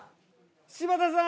柴田さん！